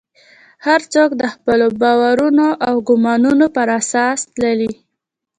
هر څوک د خپلو باورونو او ګومانونو پر اساس تلي.